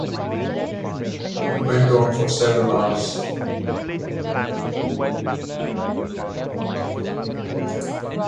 It went on for several hours.